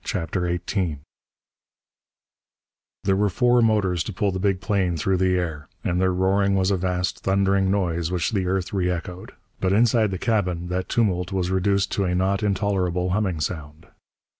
CHAPTER XVIII There were four motors to pull the big plane through the air, and their roaring was a vast thundering noise which the earth re echoed. But inside the cabin that tumult was reduced to a not intolerable humming sound.